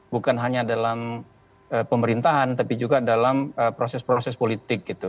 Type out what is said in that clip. bukan hanya dalam pemerintahan tapi juga dalam proses proses politik gitu